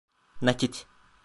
Nakit.